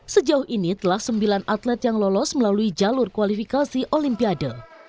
sejauh ini telah sembilan atlet yang lolos melalui jalur kualifikasi olimpiade